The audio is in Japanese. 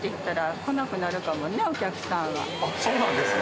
あそうなんですか。